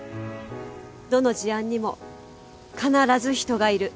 どの事案にも必ず人がいる。